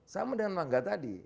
sama dengan mangga tadi